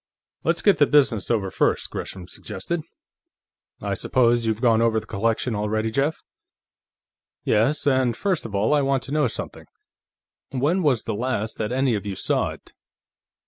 "Let's get the business over first," Gresham suggested. "I suppose you've gone over the collection already, Jeff?" "Yes, and first of all, I want to know something. When was the last that any of you saw it?"